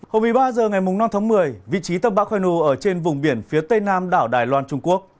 hôm một mươi ba h ngày năm một mươi vị trí tâm bão khoai nu ở trên vùng biển phía tây nam đảo đài loan trung quốc